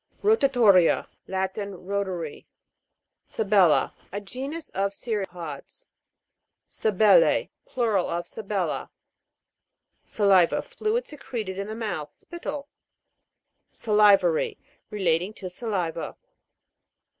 ROTATO'RIA. Latin. Rotatory. SABEL'LA. A genus of cirrhopods. SABEL'L,E. Plural of Sabella. SALI'VA. Fluid secreted in the mouth : spittle. SA'LIVARY. Relating to saliva.